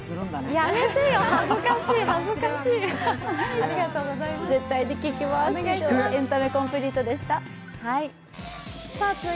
やめてよ恥ずかしい、恥ずかしい。